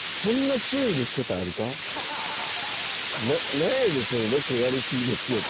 何やねんその「ロケやり過ぎですよ」って。